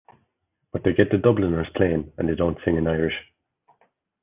But they get The Dubliners playing and they don't sing in Irish.